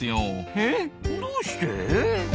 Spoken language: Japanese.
えっどうして？